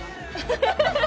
ハハハハ！